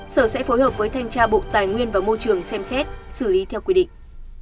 sở sẽ phối hợp với thanh tra bộ tài nguyên và môi trường xem xét xử lý theo quy định